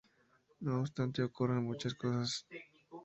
No obstante, ocurren muchas más cosas.